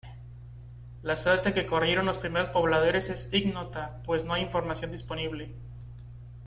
La suerte que corrieron los primeros pobladores es ignota pues no hay información disponible.